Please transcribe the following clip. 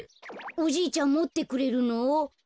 おじいちゃんもってくれるの？